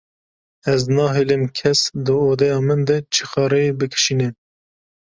Ez nahêlim kes di odeya min de çixareyê bikişîne.